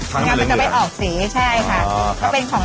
หอมเกลือแกง